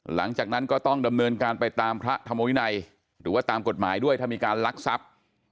หลังจากนั้นก็ต้องดำเนินการไปตามพระธรรมวินัยหรือว่าตามกฎหมายด้วยถ้ามีการลักทรัพย์